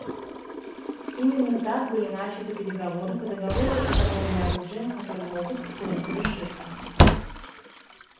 Именно так были начаты переговоры по договору о торговле оружием, которые могут вскоре завершиться.